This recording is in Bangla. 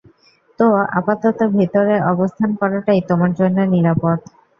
তো আপাতত ভেতরে অবস্থান করাটাই তোমার জন্য নিরাপদ।